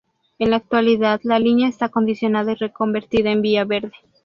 En la actualidad la línea está acondicionada y reconvertida en Vía Verde.